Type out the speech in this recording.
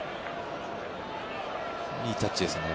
いいタッチですね。